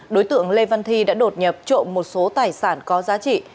đối tượng lê văn thi đã đột nhập trộm một số tài sản có giá trị